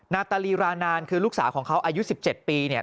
นาตาลีรานานคือลูกสาวของเขาอายุ๑๗ปีเนี่ย